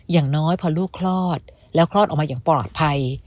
อย่างน้อยพอลูกคลอดแล้วคลอดออกมาอย่างปลอดภัย